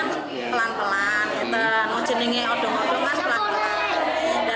nanti yang berdiri di odong odong kan pelan pelan